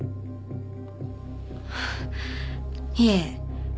いえ